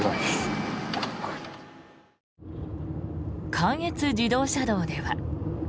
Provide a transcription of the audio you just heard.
関越自動車道では。